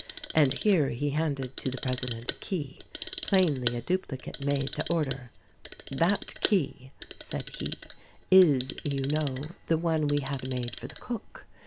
And here he handed to the president a key — plainly a duplicate made to order. "That key," said he, "is, you know, the one we had made for the cook.